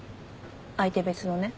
相手別のね。